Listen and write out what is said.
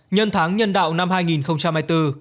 nhân tháng nhân đạo năm hai nghìn hai mươi bốn